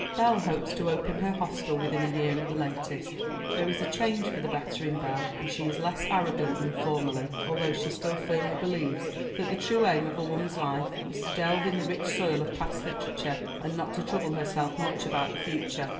Belle hopes to open her hostel within a year at the latest. There is a change for the better in Belle, and she is less arrogant than formerly, although she still firmly believes that the true aim of a woman's life is to delve in the rich soil of past literature and not to trouble herself much about the future.